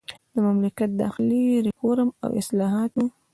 د مملکت داخلي ریفورم او اصلاحات وو.